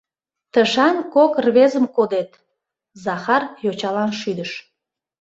— Тышан кок рвезым кодет, — Захар йочалан шӱдыш.